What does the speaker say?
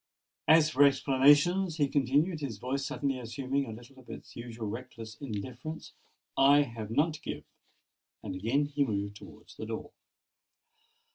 As for explanations," he continued, his voice suddenly assuming a little of its usual reckless indifference, "I have none to give." And again he moved towards the door.